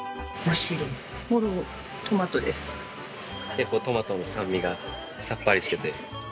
結構トマトの酸味がさっぱりしてて。